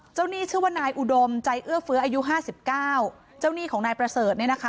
หนี้ชื่อว่านายอุดมใจเอื้อเฟื้ออายุห้าสิบเก้าเจ้าหนี้ของนายประเสริฐเนี่ยนะคะ